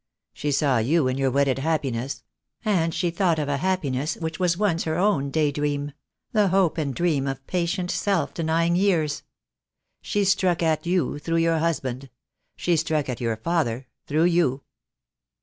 She saw you in your wedded happiness, and she thought of a happiness which was once her own day dream — the hope and dream of patient, self denying years. She struck at you through your husband. She struck at your father through you."